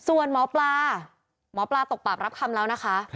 ส่วนหมอปลาหมอปลาตกปราบรับคำแล้วนะคะ